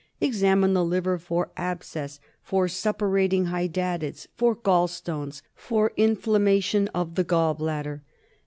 Examine the liver for abscess, for suppu rating hydatids, for gall stones, for inflammation of the gall bladder.